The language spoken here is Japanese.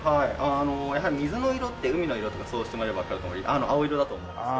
あのやはり水の色って海の色とか想像してもらえればわかるとおり青色だと思うんですけど。